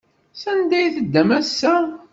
Sanda ay teddam ass-a?